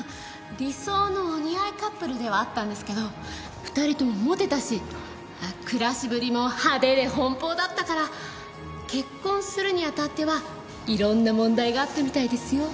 理想のお似合いカップルではあったんですけど２人ともモテたし暮らしぶりも派手で奔放だったから結婚するにあたってはいろんな問題があったみたいですよ。